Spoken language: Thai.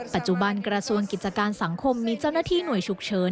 ปัจจุบันกระทรวงกิจการสังคมมีเจ้าหน้าที่หน่วยฉุกเฉิน